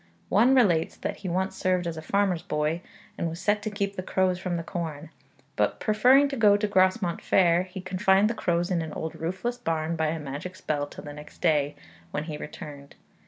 One relates that he once served as a farmer's boy, and was set to keep the crows from the corn, but preferring to go to Grosmont fair, he confined the crows in an old roofless barn by a magic spell till the next day, when he returned.